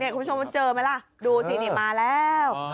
เนี่ยคุณผู้ชมเจอไหมล่ะดูสิเนี่ยมาแล้ว